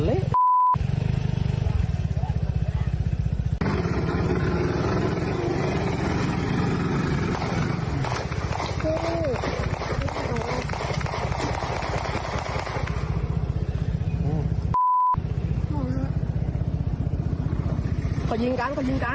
พวกมันต้องกินกันพี่ออกมา